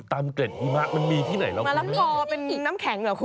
อารมณ์แบบเกร็ดหิมะ